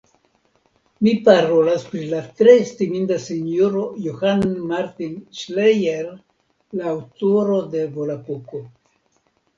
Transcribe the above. Mi parolas pri la tre estiminda sinjoro Johann Martin Ŝlejer, la aŭtoro de Volapuko.